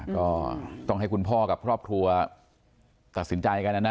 ก็ต้องให้คุณพ่อกับครอบครัวตัดสินใจกันนะนะ